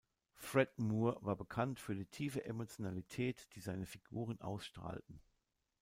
Fred Moore war bekannt für die tiefe Emotionalität, die seine Figuren ausstrahlten.